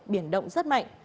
biển đông rất mạnh